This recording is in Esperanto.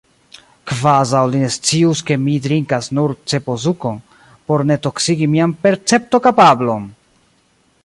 Kvazaŭ li ne scius ke mi drinkas nur ceposukon, por ne toksigi mian perceptokapablon!